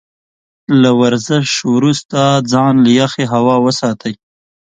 له ورزش وروسته ځان له يخې هوا وساتئ.